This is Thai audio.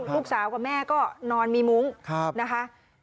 ลูกสาวกับแม่ก็นอนมีมุ้งนะคะ